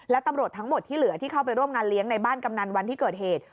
และตำรวจทั้งหมดที่เหลือที่เข้าไปร่วมงานเลี้ยงในบ้านกำนันวันที่เกิดเหตุ